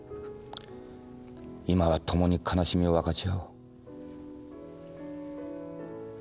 今は共に悲しみを分かち合おう。